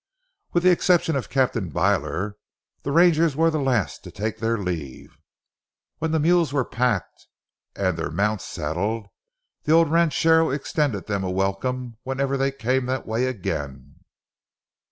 With the exception of Captain Byler, the rangers were the last to take their leave. When the mules were packed and their mounts saddled, the old ranchero extended them a welcome whenever they came that way again.